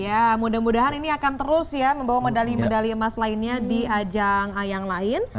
ya mudah mudahan ini akan terus ya membawa medali medali emas lainnya di ajang yang lain